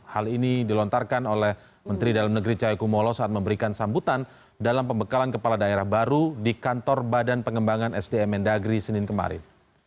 hal ini dilontarkan oleh menteri dalam negeri cahaya kumolo saat memberikan sambutan dalam pembekalan kepala daerah baru di kantor badan pengembangan sdm mendagri senin kemarin